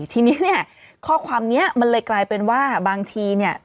ทีนี้เนี่ยข้อความนี้มันเลยกลายเป็นว่าบางทีเนี่ย